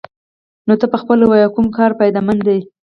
نو ته پخپله ووايه کوم کار فايده مند دې.